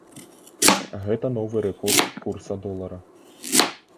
Гэта новы рэкорд курса долара.